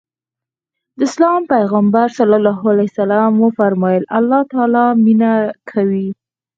د اسلام پيغمبر ص وفرمايل الله تعالی مينه کوي.